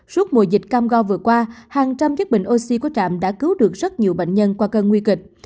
suốt mùa dịch cam go vừa qua hàng trăm chiếc bình oxy của trạm đã cứu được rất nhiều bệnh nhân qua cơn nguy kịch